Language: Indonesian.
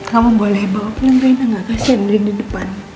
kamu boleh bawa pelimpinan nggak kasian rindy di depan